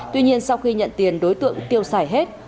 tuy nhiên sau khi nhận tiền đối tượng tiêu xài hết